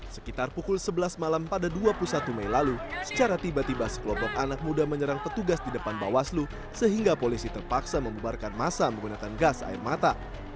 sekitar pukul sebelas malam pada dua puluh satu mei lalu secara tiba tiba sekelompok anak muda menyerang petugas di depan bawaslu sehingga polisi terpaksa membubarkan masa menggunakan gas air mata